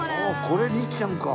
これ律ちゃんか！